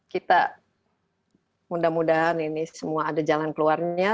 kita mudah mudahan ini semua ada jalan keluarnya